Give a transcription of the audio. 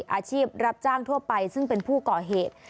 อาชีพรับจ้างทั่วไปซึ่งเป็นผู้ก่อเหตุ